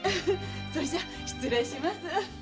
それじゃ失礼します。